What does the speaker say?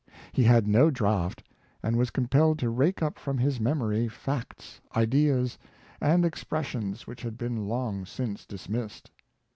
He had no draft, and was compelled to rake up from his memory, facts, ideas, and expressions which had been long since dismissed.